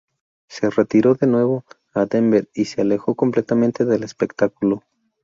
Se retiró de nuevo a Denver y se alejó completamente del espectáculo.